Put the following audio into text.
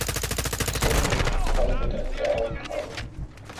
Zunehmend verzweifelt er an der Aufgabe.